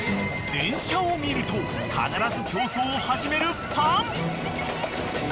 ［電車を見ると必ず競走を始めるパン］